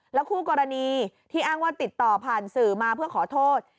คู่กรณีที่อ้างว่าติดต่อผ่านสื่อมาเพื่อขอโทษ